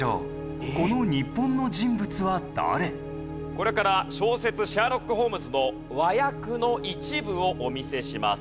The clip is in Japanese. これから小説『シャーロック・ホームズ』の和訳の一部をお見せします。